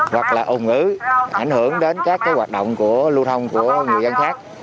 hoặc là ồn ử ảnh hưởng đến các hoạt động của lưu thông của người dân khác